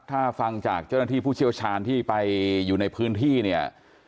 ถ้าฟังจากเจ้าหน้าที่ผู้เชี่ยวชาญที่ไปอยู่ในพื้นที่เนี่ย